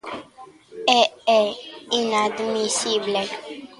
E é inadmisible.